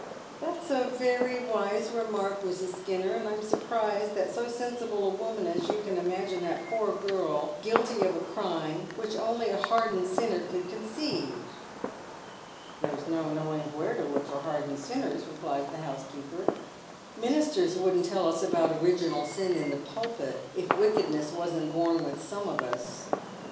That's a very wise remark, Mrs. Skinner, and I'm surprised til at so sensible a woman ae you can imagine that poor girl guilty of a crime which only a liardened sinner could conceive." "There's no knomng where to look for hardened sinners," replies the housekeeper. " Ministers wouldn't tell us about original sin in the pulpit if wickedness wasn't born with some of UP.